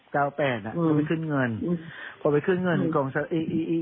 เก้าแปดน่ะอืมก็ไปขึ้นเงินอืมพอไปขึ้นเงินในกรงศาลอีอีอี